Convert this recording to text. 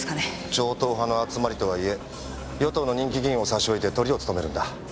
超党派の集まりとはいえ与党の人気議員を差し置いてトリを務めるんだ。